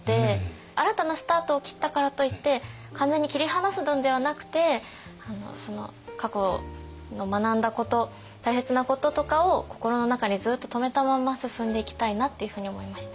新たなスタートを切ったからといって完全に切り離すのではなくて過去学んだこと大切なこととかを心の中にずっと留めたまんま進んでいきたいなっていうふうに思いました。